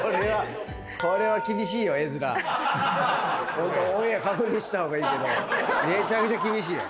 ホントオンエア確認した方がいいけどめちゃくちゃ厳しいよ。